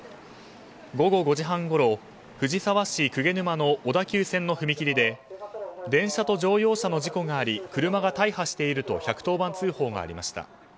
午後５時半ごろ、藤沢市鵠沼の小田急線の踏切で電車と乗用車の事故があり車が大破していると１１０番通報がありました。